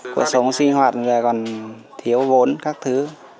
cuộc sống sinh hoạt còn thiếu vốn các thứ